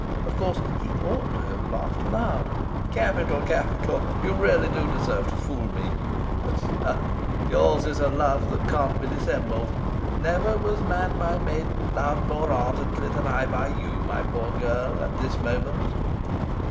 Of course he ought to have laughed aloud "Capital, capital! You really do deserve to fool me. But ah, yours is a love that can't be dissembled. Never was man by maiden loved more ardently than I by you, my poor girl, at this moment."